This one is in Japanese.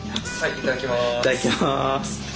いただきます。